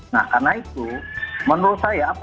nah karena itu menurut saya